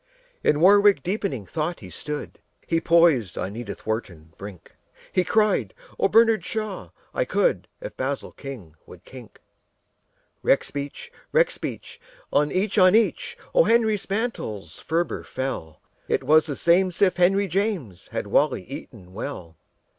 In warwick deeping thought he stood He poised on edithwharton brink; He cried, "Ohbernardshaw! I could If basilking would kink." Rexbeach! rexbeach! and each on each O. Henry's mantles ferber fell. It was the same'sif henryjames Had wally eaton well.